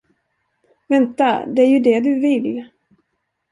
Vänta, det är ju det du vill.